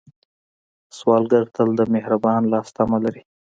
سوالګر تل د مهربان لاس تمه لري